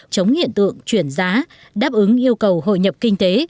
chống hiện tượng chuyển giá đáp ứng yêu cầu hội nhập kinh tế